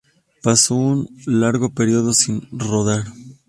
Pasó un largo período sin rodar.